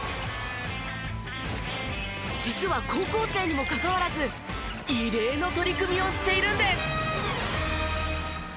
実は高校生にもかかわらず異例の取り組みをしているんです。